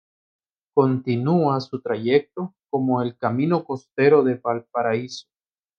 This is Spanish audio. Continúa su trayecto como el Camino Costero de Valparaíso.